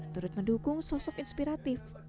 turut mendukung sosok inspiratif